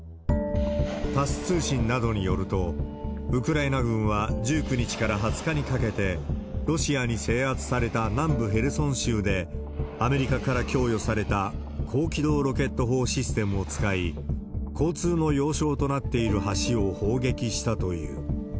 タス通信などによると、ウクライナ軍は１９日から２０日にかけて、ロシアに制圧された南部ヘルソン州で、アメリカから供与された高機動ロケット砲システムを使い、交通の要衝となっている橋を砲撃したという。